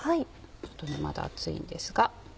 ちょっとねまだ熱いんですが。